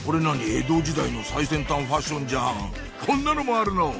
江戸時代の最先端ファッションじゃんこんなのもあるの？